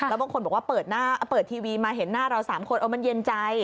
แล้วบางคนบอกว่าเปิดหน้าเปิดทีวีมาเห็นหน้าเรา๓คนมันเย็นใจ